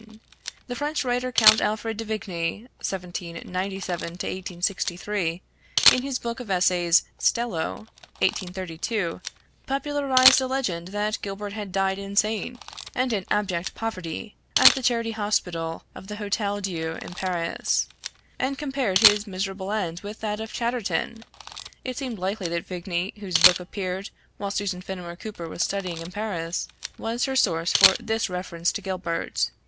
The French writer Count Alfred de Vigny (1797 1863), in his book of essays "Stello" (1832), popularized a legend that Gilbert had died insane and in abject poverty at the charity hospital of the Hotel Dieu in Paris, and compared his miserable end with that of Chatteron; it seems likely that Vigny, whose book appeared while Susan Fenimore Cooper was studying in Paris, was her source for this reference to Gilbert.